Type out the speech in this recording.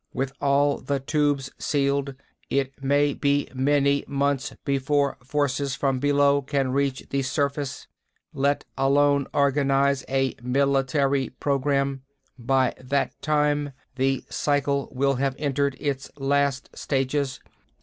With all the Tubes sealed, it will be many months before forces from below can reach the surface, let alone organize a military program. By that time the cycle will have entered its last stages.